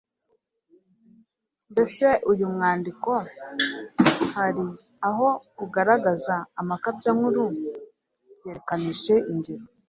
Mbese uyu mwandiko hari aho ugaragaza amakabyankuru? Byerekanishe ingero.